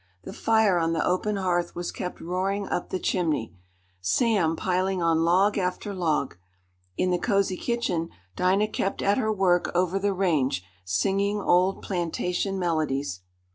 The fire on the open hearth was kept roaring up the chimney, Sam piling on log after log. In the cozy kitchen Dinah kept at her work over the range, singing old plantation melodies.